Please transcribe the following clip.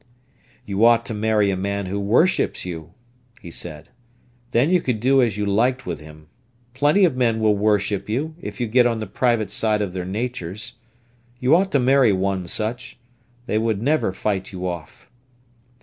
"You ought to marry a man who worships you," he said; "then you could do as you liked with him. Plenty of men will worship you, if you get on the private side of their natures. You ought to marry one such. They would never fight you off."